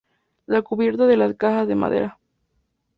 La cubierta de las casa de madera.